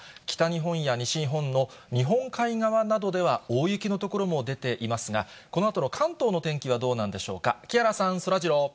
北日本や西日本の日本海側などでは、大雪の所も出ていますが、このあとの関東の天気はどうなんでしょうか？